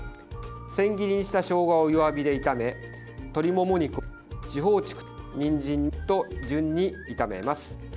千切りにしたしょうがを弱火で炒め鶏もも肉、四方竹、にんじんと順に炒めます。